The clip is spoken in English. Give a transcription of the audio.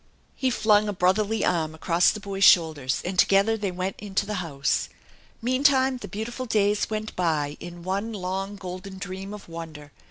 He filing a brotherly arm across the boy's shoulders and together they went into the house. Meantime the beautiful days went by in one long, golden dream of wonder.